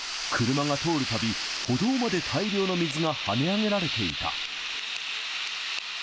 車が通るたび、歩道まで大量の水がはね上げられていた。